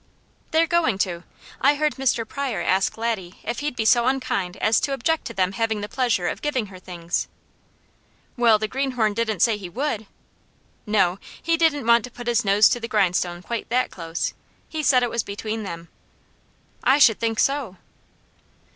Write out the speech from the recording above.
"They're going to. I heard Mr. Pryor ask Laddie if he'd be so unkind as to object to them having the pleasure of giving her things." "Well, the greenhorn didn't say he would!" "No. He didn't want to put his nose to the grindstone quite that close. He said it was between them." "I should think so!"